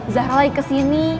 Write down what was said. zahra lagi kesini